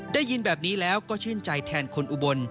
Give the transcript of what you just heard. ได้ยินแบบนี้แล้วก็ชื่นใจแทนคนอุบล